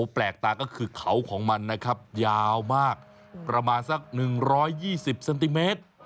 แปลกตาก็คือเขาของมันนะครับยาวมากประมาณสักหนึ่งร้อยยี่สิบเซนติเมตร